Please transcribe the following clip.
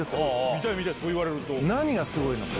見たい、見たい、そう言われ何がすごいのか。